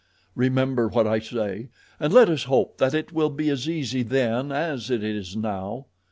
Remember what I say, and let us hope that it will be as easy then as it is now.